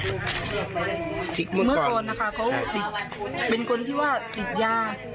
ใส่แก้คอเป็นยังไงครับเมื่อก่อนนะคะเขาเป็นคนที่ว่าติดยา